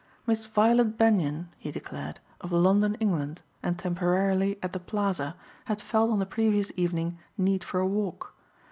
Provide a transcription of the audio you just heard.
Miss Violet Benyon, he declared, of London, England, and temporarily at the Plaza, had felt on the previous evening need for a walk.